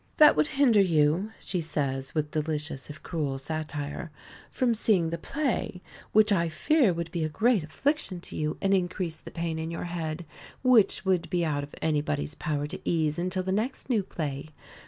"That would hinder you," she says, with delicious, if cruel satire, "from seeing the play, which I fear would be a great affliction to you, and increase the pain in your head, which would be out of anybody's power to ease until the next new play.